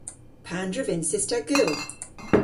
Pandr'a vynses ta gul?